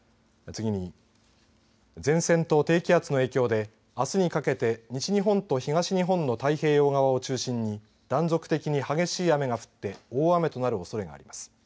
次に前線と低気圧の影響であすにかけて西日本と東日本の太平洋側を中心に断続的に激しい雨が降って大雨となるおそれがあります。